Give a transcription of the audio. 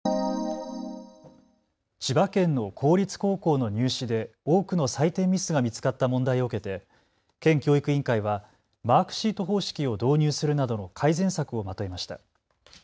千葉県の公立高校の入試で多くの採点ミスが見つかった問題を受けて県教育委員会はマークシート方式を導入するなどの改善策をまとめました。